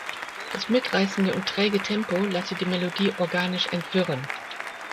Das mitreißende und träge Tempo lasse die Melodie organisch entwirren.